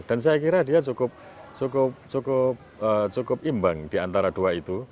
dan saya kira dia cukup imbang di antara dua itu